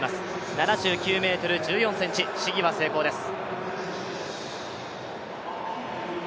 ７９ｍ１４ｃｍ試技は成功です。